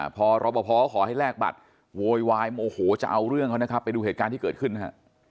พอรอปภขอให้แลกบัตรโวยวายโมโหจะเอาเรื่องเขานะครับไปดูเหตุการณ์ที่เกิดขึ้นนะฮะ